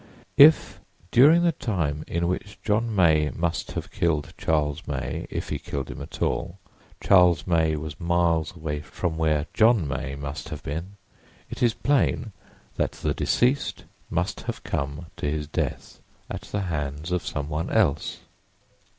If during the time in which John May must have killed Charles May, if he killed him at all, Charles May was miles away from where John May must have been, it is plain that the deceased must have come to his death at the hands of someone else.